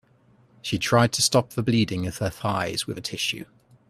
She tried to stop the bleeding of her thighs with a tissue.